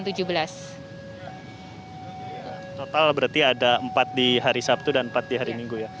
total berarti ada empat di hari sabtu dan empat di hari minggu ya